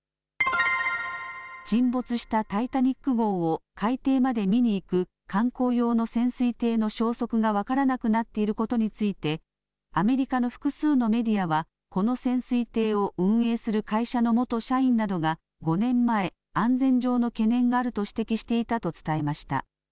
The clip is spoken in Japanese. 沈没したタイタニック号を海底まで見に行く観光用の潜水艇の消息が分からなくなっていることについてアメリカの複数のメディアはこの潜水艇を運営する会社の元社員などが５年前、安全上の懸念があると指摘していたと伝えました。